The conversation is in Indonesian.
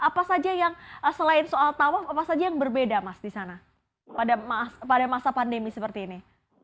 apa saja yang selain soal tawaf apa saja yang berbeda mas di sana pada masa pandemi seperti ini